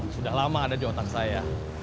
sudah lama ada di otak saya